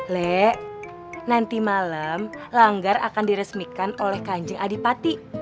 lek nanti malam langgar akan diresmikan oleh kanjeng adipati